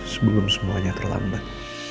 sebelum semuanya terlambat